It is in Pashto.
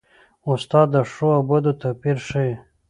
استاد د ښو او بدو توپیر ښيي.